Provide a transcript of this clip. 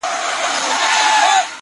میکده په نامه نسته، هم حرم هم محرم دی،